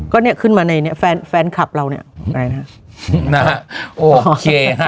ก็เนี่ยขึ้นมาในนี้แฟนคับเราเนี่ย